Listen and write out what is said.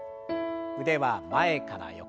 腕は前から横。